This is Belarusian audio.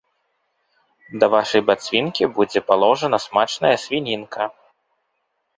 Да вашай бацвінкі будзе паложана смачная свінінка.